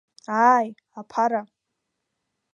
Ааи, аԥара!